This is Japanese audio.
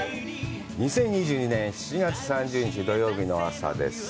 ２０２２年７月３０日土曜日の朝です。